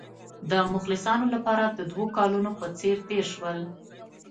د مخلصانو لپاره د دوو کلونو په څېر تېر شول.